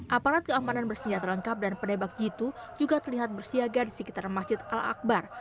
aparat keamanan bersenjata lengkap dan penebak jitu juga terlihat bersiaga di sekitar masjid al akbar